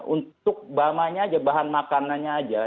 untuk bamanya aja bahan makanannya aja